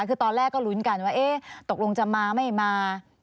คือตอนแรกก็ลุ้นกันว่าตกลงจะมาไม่มา